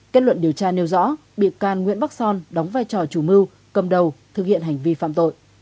kết luận điều tra nêu rõ bị can nguyễn bắc son đóng vai trò chủ mưu cầm đầu thực hiện hành vi phạm tội